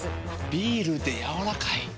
ビールでやわらかい。